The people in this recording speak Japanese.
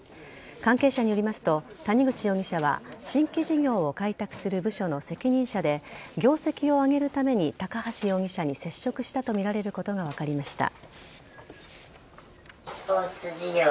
関係者によりますと谷口容疑者は新規事業を開拓する部署の責任者で業績を上げるために高橋容疑者に接触したとみられることが分かりました。